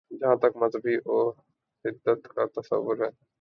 جہاں تک مذہبی وحدت کا تصور ہے۔